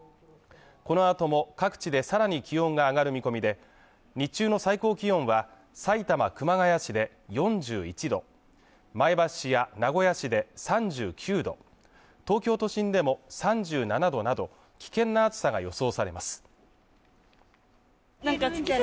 このあとも各地でさらに気温が上がる見込みで日中の最高気温は埼玉熊谷市で４１度前橋市や名古屋市で３９度東京都心でも３７度など危険な暑さが予想されます